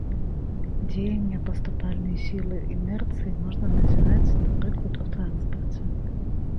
Дзеянне паступальнай сілы інерцыі можна назіраць, напрыклад, у транспарце.